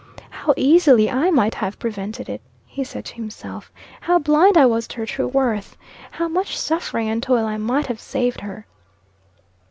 "How easily I might have prevented it!" he said to himself. "How blind I was to her true worth! How much suffering and toil I might have saved her!"